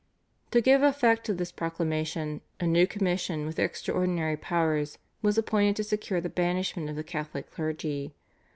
To give effect to this proclamation a new commission with extraordinary powers was appointed to secure the banishment of the Catholic clergy.